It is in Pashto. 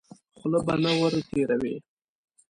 خوله به نه ور تېروې.